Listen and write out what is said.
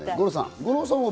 五郎さんは？